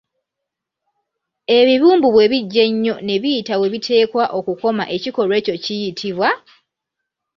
Ebibumbu bwe biggya ennyo ne biyita we biteekwa okukoma ekikolwa ekyo kiyitibwa?